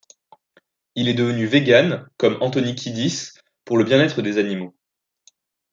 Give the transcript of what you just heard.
Il est devenu vegan, comme Anthony Kiedis, pour le bien être des animaux.